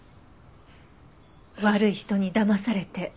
悪い人にだまされて。